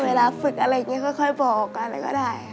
เวลาฝึกอะไรอย่างนี้ค่อยบอกอะไรก็ได้